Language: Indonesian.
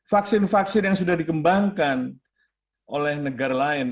vaksin vaksin yang sudah dikembangkan oleh negara lain